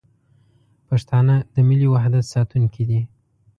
پښتانه د ملي وحدت ساتونکي دي.